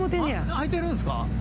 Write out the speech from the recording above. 開いてるんですか？